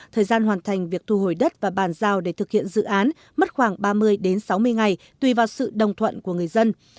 thời gian hoàn thành việc thu hồi đất và bàn giao để thực hiện dự án mất khoảng ba mươi sáu mươi ngày tùy vào sự đồng thuận của người dân